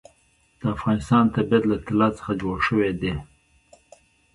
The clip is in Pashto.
د افغانستان طبیعت له طلا څخه جوړ شوی دی.